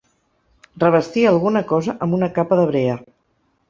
Revestir alguna cosa amb una capa de brea.